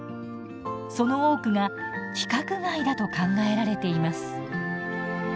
その多くが規格外だと考えられています。